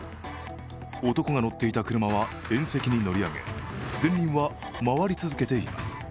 男が乗っていた車は縁石に乗り上げ、前輪は回り続けています